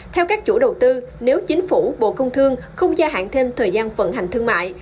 theo các chủ đầu tư nếu chính phủ bộ công thương không gia hạn thêm thời gian vận hành thương mại